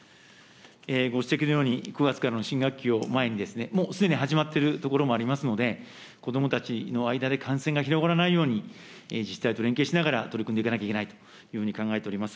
ご指摘のように、９月からの新学期を前に、もうすでに始まっている所もありますので、子どもたちの間で感染が広がらないように、自治体と連携しながら、取り組んでいかなければいけないというふうに考えております。